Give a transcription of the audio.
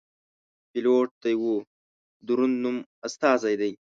پیلوټ د یوه دروند نوم استازی دی.